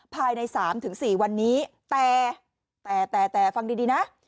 ภายใน๓๔วันนี้แต่แต่ฟังดีนะ